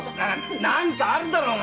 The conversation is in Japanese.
何かあるだろうが。